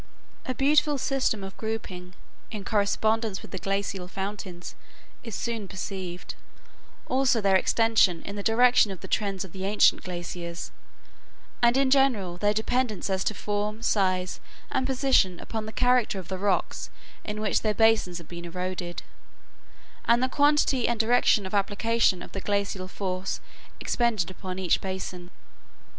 A beautiful system of grouping in correspondence with the glacial fountains is soon perceived; also their extension in the direction of the trends of the ancient glaciers; and in general their dependence as to form, size, and position upon the character of the rocks in which their basins have been eroded, and the quantity and direction of application of the glacial force expended upon each basin.